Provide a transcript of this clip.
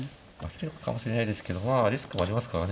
引くかもしれないですけどまあリスクもありますからね。